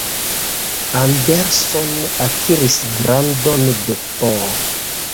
Anderson akiris gradon de Ph.